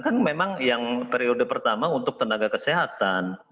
kan memang yang periode pertama untuk tenaga kesehatan